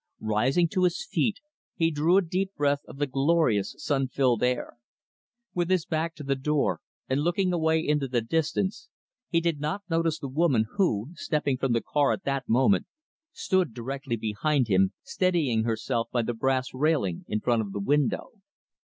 Rising to his feet, he drew a deep breath of the glorious, sun filled air. With his back to the door, and looking away into the distance, he did not notice the woman who, stepping from the car at that moment, stood directly behind him, steadying herself by the brass railing in front of the window.